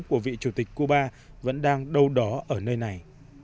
của vị chủ tịch cuba vẫn đang đâu đó ở nơi này